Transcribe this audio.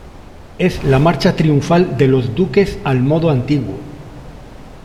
Es la marcha triunfal de los duques al modo antiguo.